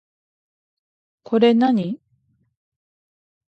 これ何